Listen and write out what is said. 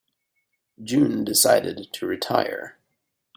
June decided to retire.